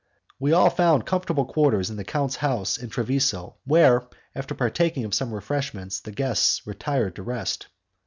We all found comfortable quarters in the count's house in Treviso, where, after partaking of some refreshments, the guests retired to rest.